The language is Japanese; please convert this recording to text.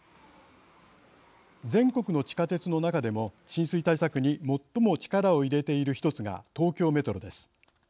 全国の地下鉄の中でも浸水対策に最も力を入れている一つが東京メトロです。